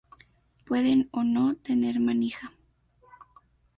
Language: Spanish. Pueden o no, tener manija.